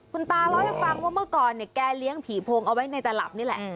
คุณตาเล่าให้ฟังว่าเมื่อก่อนเนี่ยแกเลี้ยงผีโพงเอาไว้ในตลับนี่แหละ